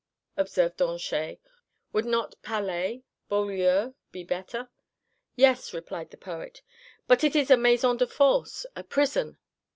observed Danchet; "would not palais, beau lieu ... be better?" "Yes," replied the poet, "but it is a maison de force, a prison!"